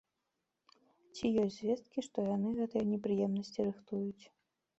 Ці ёсць звесткі, што яны гэтыя непрыемнасці рыхтуюць.